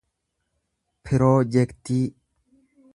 piroojektii